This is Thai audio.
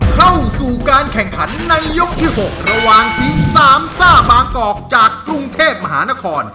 เข้าสู่การแข่งขันในยกที่๖ระหว่างทีมสามซ่าบางกอกจากกรุงเทพมหานคร